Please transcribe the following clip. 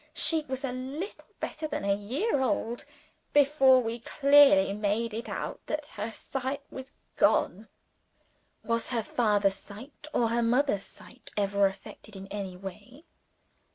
She was a little better than a year old before we clearly made it out that her sight was gone." "Was her father's sight, or her mother's sight ever affected in any way?"